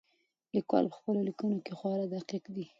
لیکوال په خپلو لیکنو کې خورا دقیق دی.